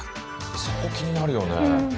そこ気になるよね。